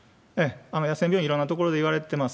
野戦病院、いろんなところでいわれてます。